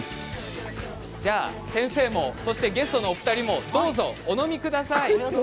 先生も、そしてゲストのお二人もどうぞお飲みください。